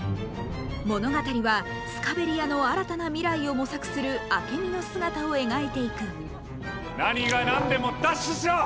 物語はスカベリアの新たな未来を模索するアケミの姿を描いていく何が何でも奪取しろ！